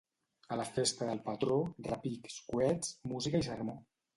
A la festa del patró: repics, coets, música i sermó.